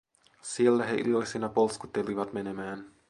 Siellä he iloisina polskuttelivat menemään.